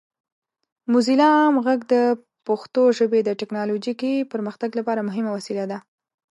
موزیلا عام غږ د پښتو ژبې د ټیکنالوجیکي پرمختګ لپاره مهمه وسیله ده.